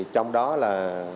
trong đó là